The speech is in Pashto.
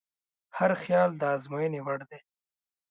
هر خیال د ازموینې وړ دی.